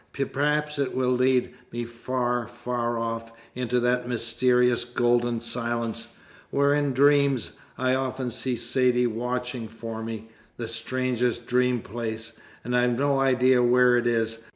Perhaps it will lead me far, far off, into that mysterious golden silence, where in dreams I often see Saidee watching for me: the strangest dream place, and I've no idea where it is!